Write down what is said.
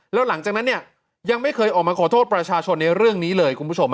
แล้วหลังจากนั้นเนี่ยยังไม่เคยออกมาขอโทษประชาชนในเรื่องนี้เลยคุณผู้ชม